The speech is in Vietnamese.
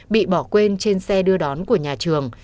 bị bỏ quên trên xe đưa đón của nhà trường